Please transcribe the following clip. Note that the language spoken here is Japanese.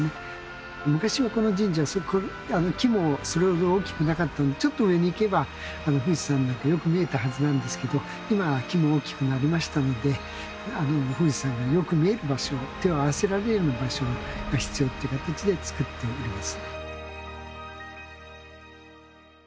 昔はこの神社すごい木もそれほど大きくなかったんでちょっと上に行けば富士山なんかよく見えたはずなんですけど今は木も大きくなりましたので富士山がよく見える場所手を合わせられるような場所が必要って形でつくっております。